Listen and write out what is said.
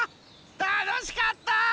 たのしかった！